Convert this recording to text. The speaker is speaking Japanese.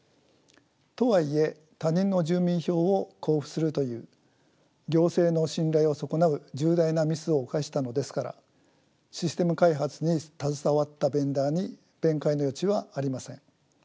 とはいえ他人の住民票を交付するという行政の信頼を損なう重大なミスを犯したのですからシステム開発に携わったベンダーに弁解の余地はありません。